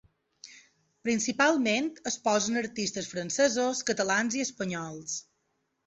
Principalment exposen artistes francesos, catalans i espanyols.